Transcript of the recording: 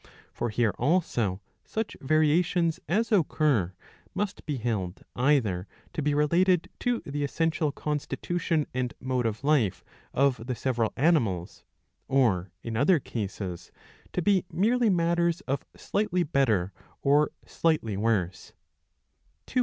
For here also such varia tions as occur must be held either to be related to the essential constitution and mode of life of the several animals, or, in other cases, to be merely matters of slightly better or slightly worse.